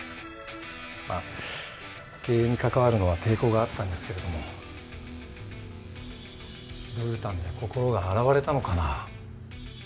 まあ経営に関わるのは抵抗があったんですけれどもブータンで心が洗われたのかな。